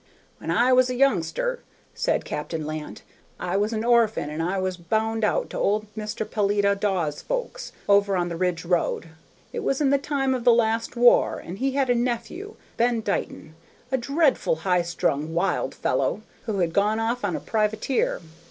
"When I was a youngster," said Captain Lant, "I was an orphan, and I was bound out to old Mr. Peletiah Daw's folks, over on the Ridge Road. It was in the time of the last war, and he had a nephew, Ben Dighton, a dreadful high strung, wild fellow, who had gone off on a privateer.